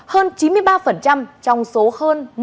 hơn chín mươi ba trong số hệ thống dân cư